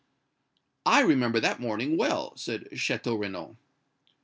"I remember that morning well," said Château Renaud.